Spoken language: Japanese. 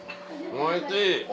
おいしい。